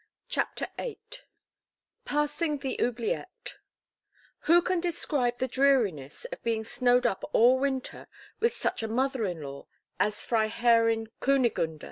CHAPTER VIII PASSING THE OUBLIETTE WHO can describe the dreariness of being snowed up all the winter with such a mother in law as Freiherrinn Kunigunde?